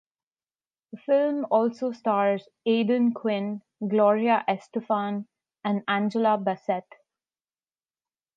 The film also stars Aidan Quinn, Gloria Estefan, and Angela Bassett.